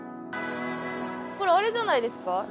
これあれじゃないですか？